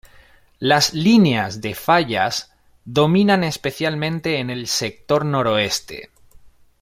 Las líneas de fallas dominan especialmente en el sector noroeste.